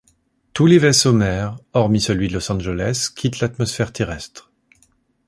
Tous les vaisseaux-mères, hormis celui de Los Angeles, quittent l'atmosphère terrestre.